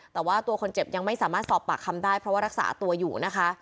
แต่ว่าตัวคนเจ็บยังไม่สามารถสอบปากคำได้เพราะว่ารักษาตัวอยู่นะคะ